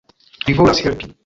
Li volas helpi.